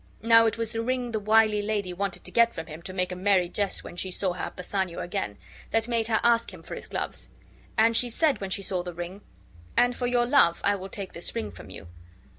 Now it was the ring the wily lady wanted to get from him to make a merry jest when she saw her Bassanio again, that made her ask him for his gloves; and she said, when she saw the ring, "And for your love, I will take this ring from you."